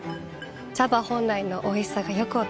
茶葉本来のおいしさがよく分かります。